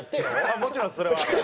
もちろんそれは。